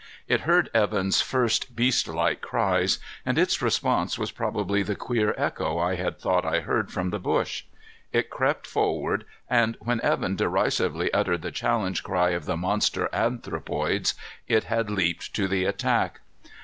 It heard Evan's first beastlike cries, and its response was probably the queer echo I had thought I heard from the bush. It crept forward, and when Evan derisively uttered the challenge cry of the monster anthropoids, it had leaped to the attack.